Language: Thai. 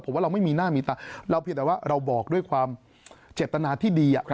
ผมว่าเราไม่มีหน้ามีตาเราเพียงแต่ว่าเราบอกด้วยความเจตนาที่ดี